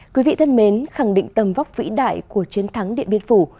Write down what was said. quý vị thân mến khẳng định tầm vóc vĩ đại của chiến thắng điện biên phủ